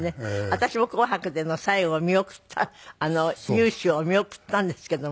私も『紅白』での最後を見送ったあの雄姿を見送ったんですけども。